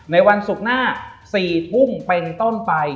ในวันศุกร์หน้า๔ทุ่มเป็นต้นไป